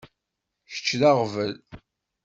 Kečč d aɣbel.